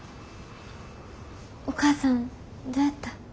お母さんどやった？